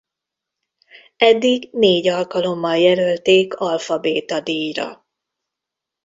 Eddig négy alkalommal jelölték Alfabéta-díjra.